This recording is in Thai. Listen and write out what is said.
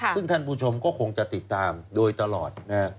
ซึ่งท่านผู้ชมก็คงจะติดตามโดยตลอดนะฮะ